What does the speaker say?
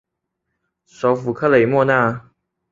首府克雷莫纳。